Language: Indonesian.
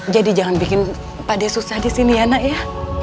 jadi jangan bikin pak de susah di sini ya nak ya